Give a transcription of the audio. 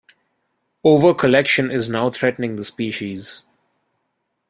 Over-collection is now threatening the species.